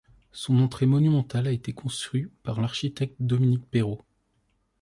Son entrée monumentale a été conçue par l'architecte Dominique Perrault.